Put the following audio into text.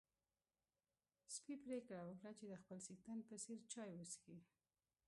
سپی پرېکړه وکړه چې د خپل څښتن په څېر چای وڅښي.